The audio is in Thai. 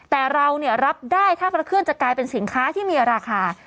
แต่เรารับได้ค่าพระเครื่องจะกลายเป็นสินค้าที่มีราคา